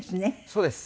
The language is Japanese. そうです